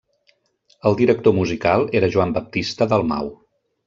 El director musical era Joan Baptista Dalmau.